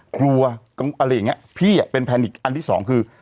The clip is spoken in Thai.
ครัวอะไรอย่างเงี้ยพี่เป็นแพนิกอันที่สองคือ